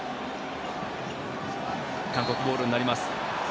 韓国ボールになります。